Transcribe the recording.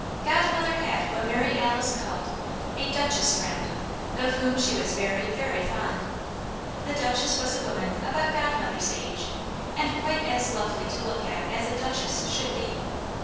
Godmother had what Mary Alice called "a duchess friend" of whom she was very, very fond. The Duchess was a woman about Godmother's age, and quite as lovely to look at as a duchess should be.